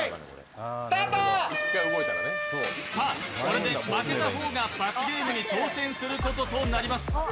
さあ、これで負けた方が罰ゲームに挑戦することになります。